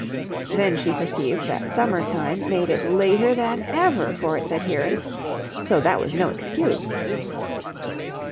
. then she perceived that summer time made it later than ever for its adherents, so that was no excuse.